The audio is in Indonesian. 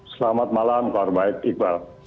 selamat malam pak orbaik iqbal